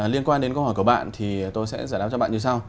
liên quan đến câu hỏi của bạn thì tôi sẽ giải đáp cho bạn như sau